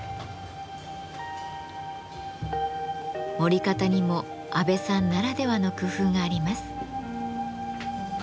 盛り方にも安倍さんならではの工夫があります。